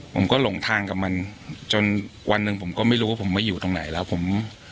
ผมก็หลงทางกับมันจนวันหนึ่งผมก็ไม่รู้ว่าผมมาอยู่ตรงไหนแล้วผม